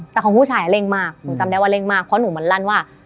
แต่ของผู้ชายเร่งมากหนูจำได้ว่าเร่งมากเพราะหนูมันลั่นว่า